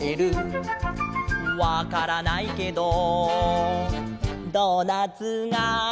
「わからないけどドーナツが」